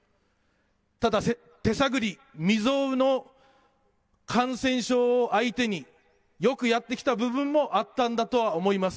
ただ手探り、未曽有の感染症を相手によくやってきた部分もあったんだとは思います。